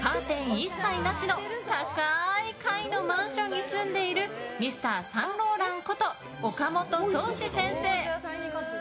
一切なしの高い階のマンションに住んでいるＭｒ．サンローランこと岡本宗史先生。